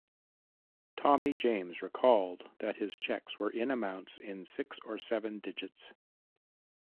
Tommy James recalled that his checks were in amounts in six or seven digits.